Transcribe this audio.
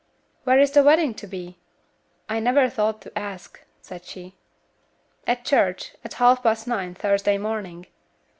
"Where is the wedding to be? I never thought to ask," said she. "At church, at half past nine Thursday morning.